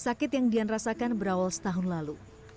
sakit yang dian rasakan berawal setahun lalu